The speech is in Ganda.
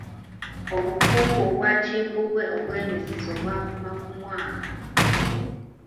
Obukungu Obwakimbugwe obw'emizizo bwakoma ku Mwanga.